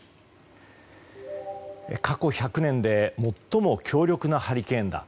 過去１００年で最も強力なハリケーンだ。